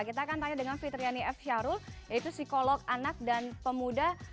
kita akan tanya dengan fitriani f syarul yaitu psikolog anak dan pemuda